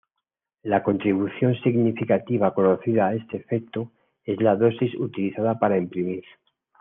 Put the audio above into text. Una contribución significativa conocida a este efecto es la dosis utilizada para imprimir.